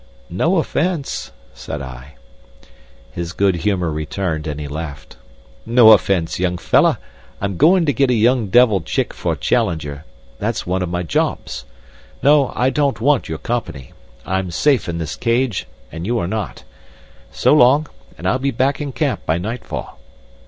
"No offense," said I. His good humor returned and he laughed. "No offense, young fellah. I'm goin' to get a young devil chick for Challenger. That's one of my jobs. No, I don't want your company. I'm safe in this cage, and you are not. So long, and I'll be back in camp by night fall."